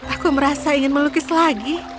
aku merasa ingin melukis lagi